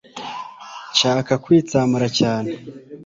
nshaka kwitsamura cyane